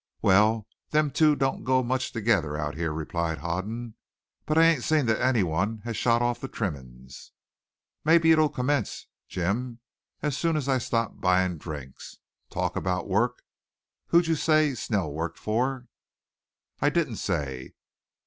"Wal, them two don't go much together out here," replied Hoden. "But I ain't seen thet anyone has shot off the trimmin's." "Maybe it'll commence, Jim, as soon as I stop buying drinks. Talking about work who'd you say Snell worked for?" "I didn't say."